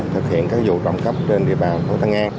thực hiện các vụ trộn cắp trên địa bàn thành phố tân an